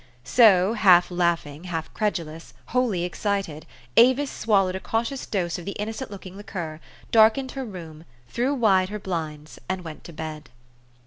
So, half laughing, half credulous, wholly excited, Avis swallowed a cautious dose of the innocent looking liqueur, darkened her room, threw wide her blinds, and went to bed.